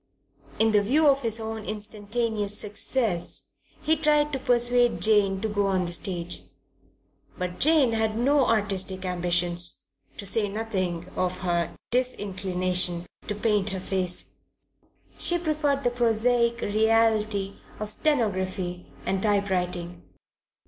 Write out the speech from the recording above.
In view of his own instantaneous success he tried to persuade Jane to go on the stage; but Jane had no artistic ambitions, to say nothing of her disinclination to paint her face. She preferred the prosaic reality of stenography and typewriting.